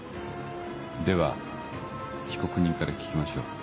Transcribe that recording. では被告人から聞きましょう。